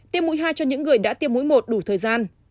tiêm mũi hai cho những người đã tiêm mũi một đủ thời gian